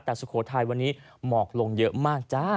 แต่สุโขทัยวันนี้หมอกลงเยอะมากจ้า